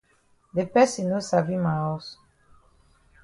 De person no sabi ma haus.